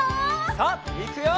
さあいくよ！